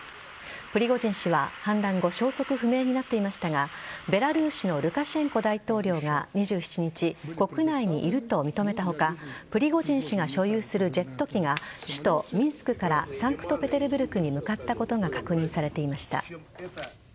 プリゴジン氏は反乱後消息不明になっていましたがベラルーシのルカシェンコ大統領が２７日国内にいると認めた他プリゴジン氏が所有するジェット機が首都・ミンスクからサンクトペテルブルクに向かったことが確認されていました。